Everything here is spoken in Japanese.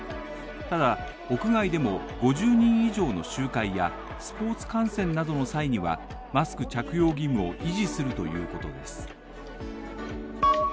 ただ、屋外でも５０人以上の集会やスポーツ観戦などの際にはマスク着用義務を維持するということです。